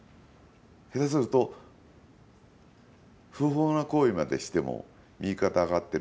下手すると不法な行為までしても右肩上がってる。